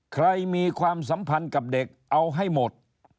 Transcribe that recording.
ใครมีความสัมพันธ์กับเด็กเอาให้หมด